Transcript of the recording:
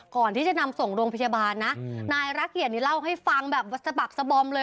ก่อนที่จะนำส่งโรงพยาบาลนะนายรักเกียรตินี่เล่าให้ฟังแบบสะบักสะบอมเลย